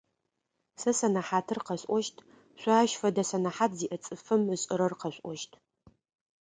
Сэ сэнэхьатыр къэсӏощт, шъо ащ фэдэ сэнэхьат зиӏэ цӏыфым ышӏэрэр къэшъуӏощт.